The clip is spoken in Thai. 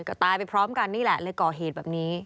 ก็ตายไปพร้อมกันนี่แหละเลยก่อเหตุแบบนี้